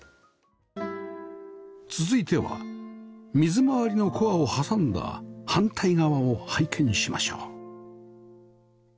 続いては水回りのコアを挟んだ反対側を拝見しましょう